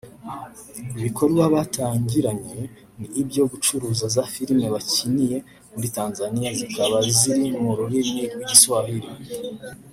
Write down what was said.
Ibikorwa batangiranye ni ibyo gucuruza za filime bakiniye muri Tanzania zikaba ziri mu rurimi rw’igiswahili